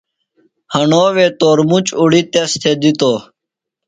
ہݨو وے تورمُچ اُڑیۡ تس تھےۡ دِتوۡ۔